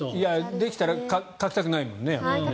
できたらかきたくないもんね。